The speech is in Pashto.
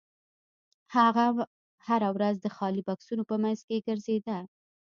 هغه هره ورځ د خالي بکسونو په مینځ کې ګرځیده